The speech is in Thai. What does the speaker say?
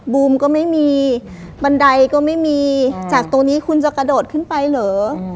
บูมก็ไม่มีบันไดก็ไม่มีจากตรงนี้คุณจะกระโดดขึ้นไปเหรอ